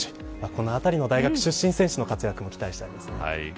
このあたりの大学出身選手の活躍も期待したいです。